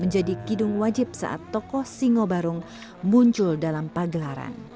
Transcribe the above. menjadi kidung wajib saat tokoh singo barung muncul dalam pagelaran